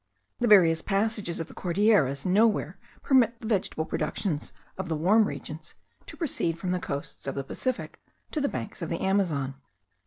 The various passages of the Cordilleras nowhere permit the vegetable productions of the warm regions to proceed from the coasts of the Pacific to the banks of the Amazon.